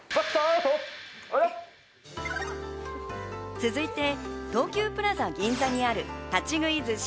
続いて、東急プラザ銀座にある立ち食い寿司